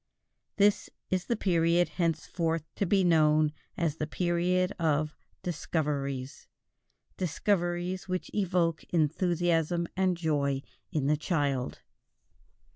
This is the period henceforth to be known as the period of "discoveries," discoveries which evoke enthusiasm and joy in the child.